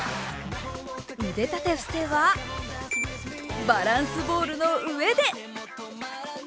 腕立て伏せはバランスボールの上で。